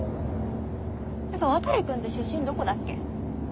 てか渡くんって出身どこだっけ？